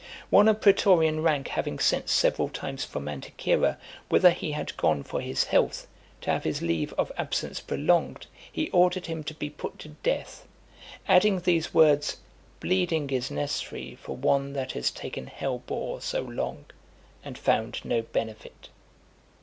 One of pretorian rank having sent several times from Anticyra , whither he had gone for his health, to have his leave of absence prolonged, he ordered him to be put to death; adding these words "Bleeding is necessary for one that has taken hellebore so long, and found no benefit."